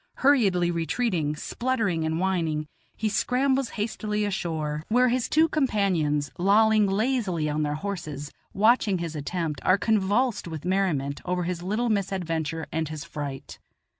Hurriedly retreating, spluttering and whining, he scrambles hastily ashore, where his two companions, lolling lazily on their horses, watching his attempt, are convulsed with merriment over his little misadventure and his fright.